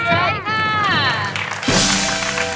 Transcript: ใช้เลยค่ะ